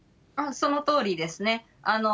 そのとおりですね。